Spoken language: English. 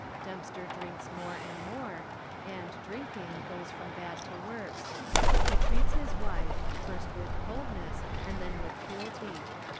Dempster drinks more and more, and, drinking, goes from bad to worse. He treats his wife, first with coldness, and then with cruelty.